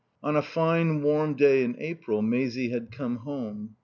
On a fine, warm day in April Maisie had come home.